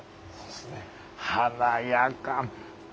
華やか。